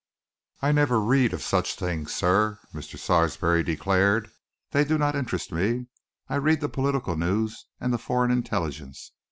"I never read of such things, sir!" Mr. Sarsby declared. "They do not interest me. I read the political news and the foreign intelligence.